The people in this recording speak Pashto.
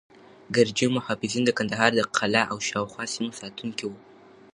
ګرجي محافظین د کندهار د قلعه او شاوخوا سیمو ساتونکي وو.